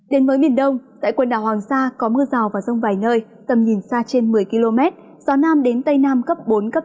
đến với miền đông tại quần đảo hoàng sa có mưa rào và rông vài nơi tầm nhìn xa trên một mươi km gió nam đến tây nam cấp bốn cấp năm